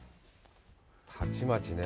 たちまちね。